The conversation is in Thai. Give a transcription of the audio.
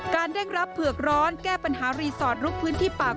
เร่งรับเผือกร้อนแก้ปัญหารีสอร์ทลุกพื้นที่ปาก